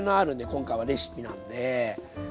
今回はレシピなんで。